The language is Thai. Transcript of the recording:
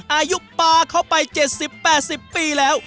อายุปลาเข้าไป๗๐๘๐ปีแล้ว